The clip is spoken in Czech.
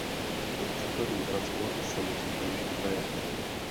Pro případný transport se musí použít trajekt.